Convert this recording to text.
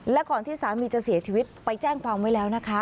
และก่อนที่สามีจะเสียชีวิตไปแจ้งความไว้แล้วนะคะ